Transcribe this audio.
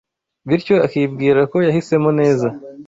bityo akibwira ko yahisemo neza